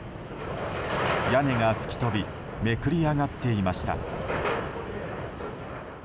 屋根が吹き飛びめくり上がっていました。